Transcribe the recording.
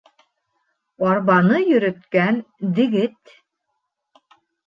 Арбаны йөрөткән дегет